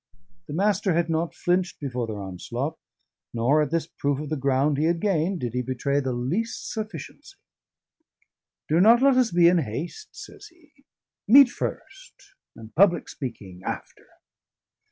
The Master had not flinched before their onslaught; nor, at this proof of the ground he had gained, did he betray the least sufficiency. "Do not let us be in haste," says he. "Meat first and public speaking after."